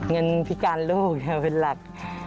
เงินพิการลูกเป็นหลัก